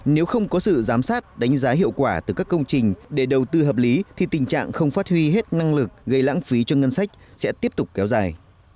nếu không có sự giám sát đánh giá hiệu quả từ các công trình để đầu tư hợp lý thì tình trạng không phát huy hết năng lực gây lãng phí cho ngân sách sẽ tiếp tục kéo dài